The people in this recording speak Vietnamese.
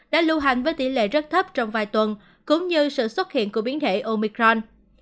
đã lưu hành với tỷ lệ rất thấp trong vài tuần cũng như sự xuất hiện của biến thể omicron